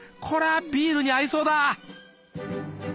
これはビールに合いそうだ！